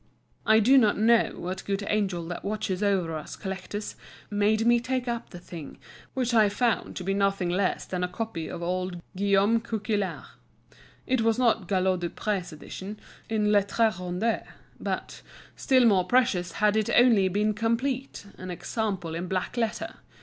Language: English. I do not know what good angel that watches over us collectors made me take up the thing, which I found to be nothing less than a copy of old Guillaume Coquillart. It was not Galliot du Pré's edition, in lettres rondes, but, still more precious had it only been complete, an example in black letter.